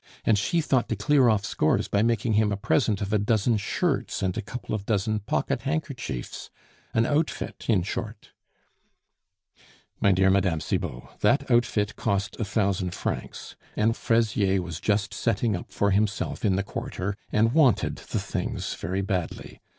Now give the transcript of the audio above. "And she thought to clear off scores by making him a present of a dozen shirts and a couple of dozen pocket handkerchiefs; an outfit, in short." "My dear Mme. Cibot, that outfit cost a thousand francs, and Fraisier was just setting up for himself in the Quarter, and wanted the things very badly.